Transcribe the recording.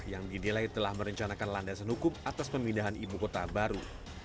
yang didilai telah merencanakan landasan hukum atas pemindahan ibu kota baru